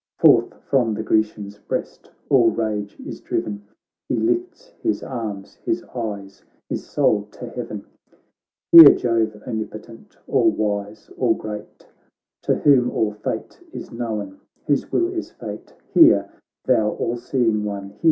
Forth from the Grecian's breast all rage is driven, He lifts his arms, his eyes, his soul to heaven. ' Hear, Jove omnipotent, all wise, all great. To whom all fate is known, whose will is fate ; Hear, thou all seeing one, hear.